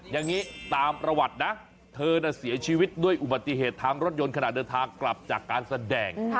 อย่างนี้ตามประวัตินะเธอน่ะเสียชีวิตด้วยอุบัติเหตุทางรถยนต์ขณะเดินทางกลับจากการแสดง